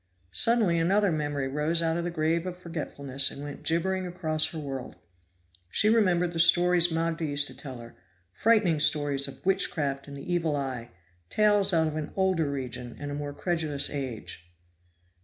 Suddenly another memory rose out of the grave of forgetfulness and went gibbering across her world. She remembered the stories Magda used to tell her, frightening stories of witchcraft and the evil eye, tales out of an older region and a more credulous age.